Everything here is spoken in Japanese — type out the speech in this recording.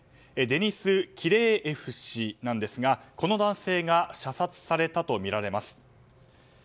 デニス・キレーエフ氏なんですがこの男性が射殺されたとみられます。